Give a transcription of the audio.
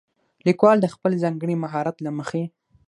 ليکوال د خپل ځانګړي مهارت له مخې